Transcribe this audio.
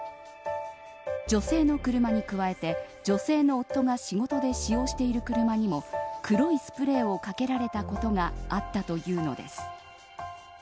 女性の車に加えて女性の夫が仕事で使用している車にも黒いスプレーをかけられたことがあったというのです。